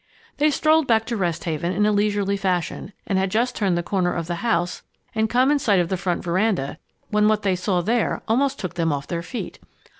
They strolled back to Rest Haven in a leisurely fashion and had just turned the corner of the house and come in sight of the front veranda, when what they saw there almost took them off their feet.